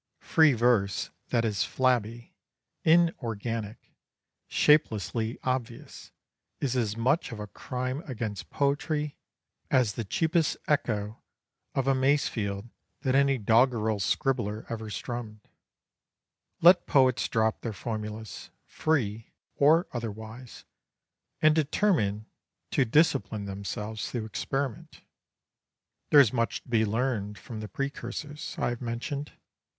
Free verse that is flabby, in organic, shapelessly obvious, is as much of a crime against poetry as the cheapest echo of a Masefield that any doggerel scribbler ever strummed. Let poets drop their formulas "free" or otherwise and determine to discipline themselves through experiment. There is much to be learned from the precursors I have mentioned.